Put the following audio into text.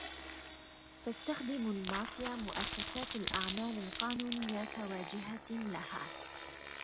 تستخدم المافيا مؤسسات الأعمال القانونية كواجهة لها.